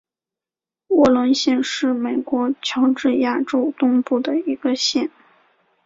沃伦县是美国乔治亚州东部的一个县。